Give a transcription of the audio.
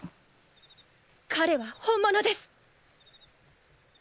彼は本物です！